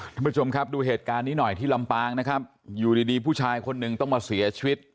ท่านผู้ชมครับดูเหตุการณ์นี้หน่อยที่ลำปางนะครับอยู่ดีดีผู้ชายคนหนึ่งต้องมาเสียชีวิต